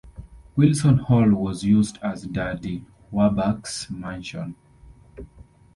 Wilson Hall was used as Daddy Warbucks' mansion.